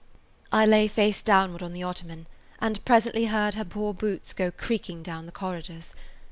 I lay face downward on the ottoman and presently heard her poor boots go creaking down the corridors.